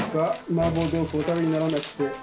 麻婆豆腐お食べにならなくて。